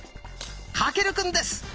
翔くんです！